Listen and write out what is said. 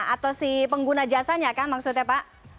atau si pengguna jasanya kan maksudnya pak